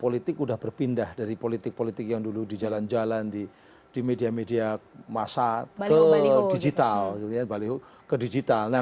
politik sudah berpindah dari politik politik yang dulu di jalan jalan di media media masa ke digital